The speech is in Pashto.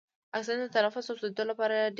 اکسیجن د تنفس او سوځیدو لپاره ډیر اړین دی.